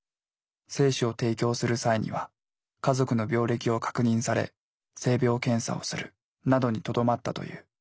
精子を提供する際には家族の病歴を確認され性病検査をするなどにとどまったという。